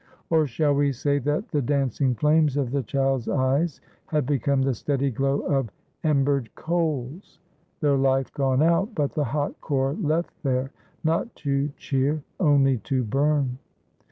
Or shall we say that the dancing flames of the child's eyes had become the steady glow of em bered coals; — their life gone out, but the hot core left there, not to cheer, only to burn?